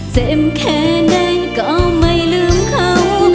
เจ็บแค่ไหนก็ไม่ลืมเขา